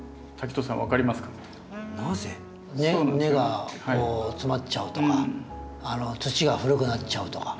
なぜ？根がこう詰まっちゃうとか土が古くなっちゃうとか。